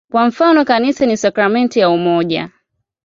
Kwa mfano, "Kanisa ni sakramenti ya umoja".